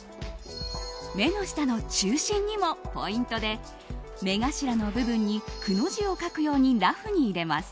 目の下の中心にもポイントで目頭の部分にくの字を描くようにラフに入れます。